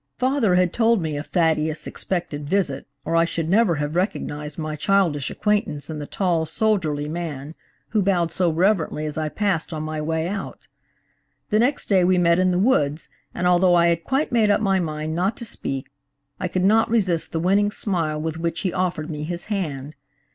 Father had told me of Thaddeus' expected visit, or I should never have recognized my childish acquaintance in the tall, soldierly man who bowed so reverently as I passed on my way out. The next day we met in the woods, and although I had quite made up my mind not to speak, I could not resist the winning smile with which he offered me his hand.